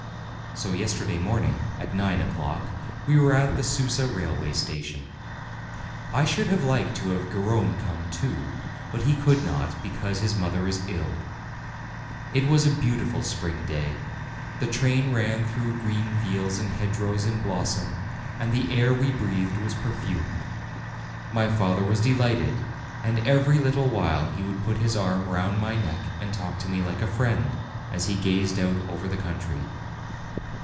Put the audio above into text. So yesterday morning, at nine o'clock, we were at the Susa railway station. I should have liked to have 220 APRIL Garrone come too; but he could not, because his mother is ill. It was a beautiful spring day. The train ran through green fields and hedgerows in blossom, and the air we breathed was perfumed. My father was delighted, and every little while he would put his arm round my neck and talk to me like a friend, as he gazed out over the country.